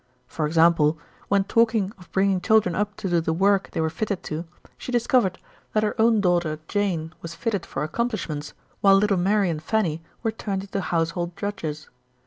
For example, when talking of bringing children up to do the work they were fitted to, she discovered that her own MRS. SHELLEY. daughter Jane was fitted for accomplishments, while little Mary and Fanny were turned into household drudges.